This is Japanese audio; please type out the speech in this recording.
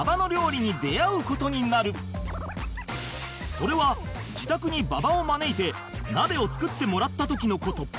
それは自宅に馬場を招いて鍋を作ってもらった時の事